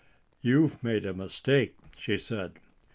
"You've made a mistake," she said.